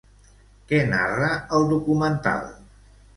Què narra el documental?